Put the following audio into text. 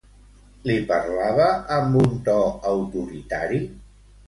Li parlava amb un to autoritari?